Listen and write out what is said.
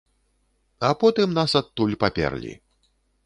А потым нас адтуль паперлі.